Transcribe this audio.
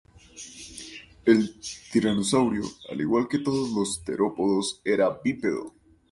El tiranosaurio, al igual que todos los terópodos, era bípedo.